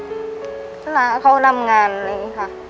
เวลาเขาทำงานอะไรอย่างนี้ค่ะ